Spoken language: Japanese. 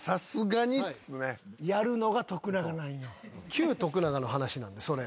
旧・徳永の話なんでそれ。